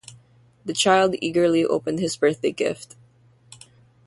The child eagerly opened his birthday gift.